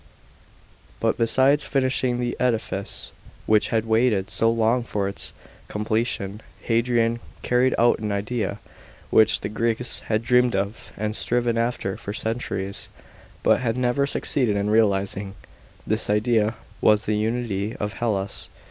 But besides finishing the edifice which had waited so long for its completion, Hadrian carried out an idea which the Greeks had dreamed of and striven after for centuries, but had never succeeded in realising. This idea was the unity of Hellas.